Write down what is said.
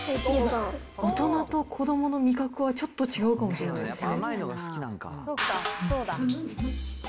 大人と子どもの味覚はちょっと違うかもしれないですね。